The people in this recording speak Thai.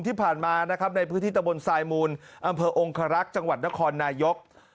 ที่ผ่านมานะครับในพื้นที่ตะบนทรายมูลอำเภอองครักษ์จังหวัดนครนายก